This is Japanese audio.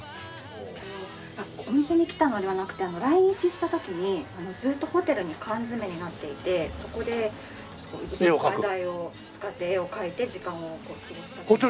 お店に来たのではなくて来日した時にずっとホテルに缶詰めになっていてそこでうちの画材を使って絵を描いて時間を過ごしたと。